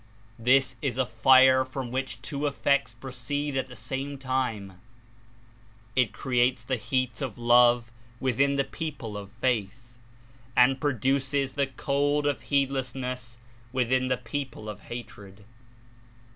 This is a fire from which two effects proceed at the same time; it creates the heat of love within the people of faith, and produces the cold of heedlessness within the people of hatred.